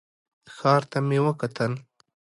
ښار ته مې وکتل.